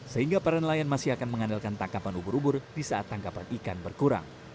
sehingga para nelayan masih akan mengandalkan tangkapan ubur ubur di saat tangkapan ikan berkurang